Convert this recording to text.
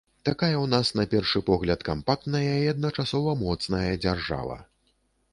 Такая ў нас на першы погляд кампактная і адначасова моцная дзяржава.